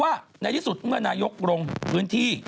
ว่าในที่สุดเมื่อนายกลงพื้นที่